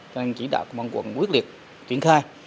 cho nên chỉ đạo công an quận quyết liệt triển khai